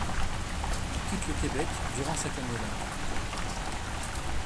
Ils quittent le Québec durant cette année-là.